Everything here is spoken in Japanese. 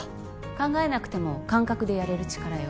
考えなくても感覚でやれる力よ